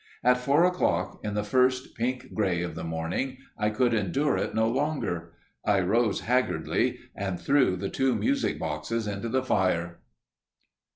At four o'clock, in the first pink grey of the morning, I could endure it no longer. I arose haggardly and threw the two music boxes into the fire!